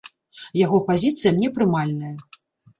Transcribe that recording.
Яго пазіцыя мне прымальная.